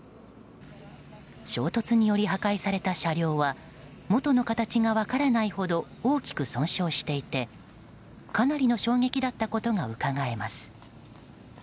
衝突により破壊された車両は元の形が分からないほど大きく損傷していて、かなりの衝撃だったことがうかがえます。